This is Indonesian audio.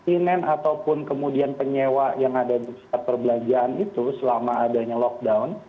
inen ataupun kemudian penyewa yang ada di pusat perbelanjaan itu selama adanya lockdown